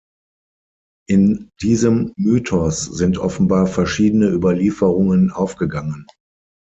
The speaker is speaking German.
In diesem Mythos sind offenbar verschiedene Überlieferungen aufgegangen.